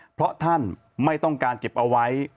เพราะท่านไม่ต้องการเก็บเอาไว้